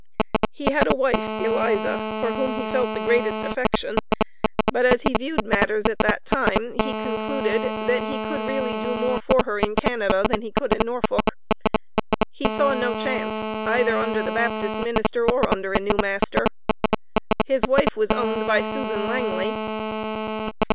He had a wife, Eliza, for whom he felt the greatest affection; but as he viewed matters at that time, he concluded that he could really do more for her in Canada than he could in Norfolk. He saw no chance, either under the Baptist minister, or under a new master. His wife was owned by Susan Langely.